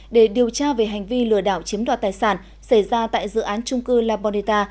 để điều tra về hành vi lừa đảo chiếm đoạt tài sản xảy ra tại dự án trung cư la boneta